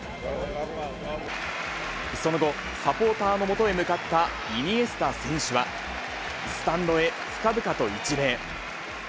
その後、サポーターのもとへ向かったイニエスタ選手は、スタンドへ深々と一礼。